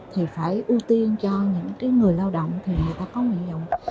thì phải ưu tiên cho những cái người lao động thì người ta có nguyện dụng